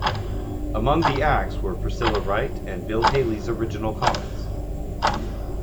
Among the acts were Priscilla Wright, and Bill Haley's Original Comets.